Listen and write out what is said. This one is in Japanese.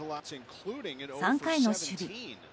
３回の守備。